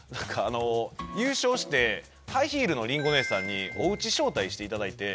優勝してハイヒールのリンゴねえさんにお家招待していただいて。